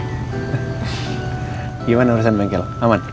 gimana urusan bengkel aman